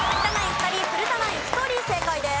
２人古田ナイン１人正解です。